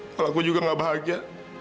kalau aku juga gak bahagia